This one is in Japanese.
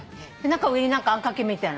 上にあんかけみたいな何か。